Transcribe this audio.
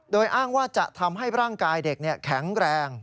โดยอ้างว่าจะทำให้ร่างกายเด็กแข็งแรง